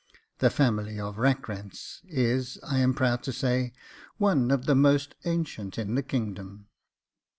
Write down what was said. The family of Rackrents is, I am proud to say, one of the most ancient in the kingdom.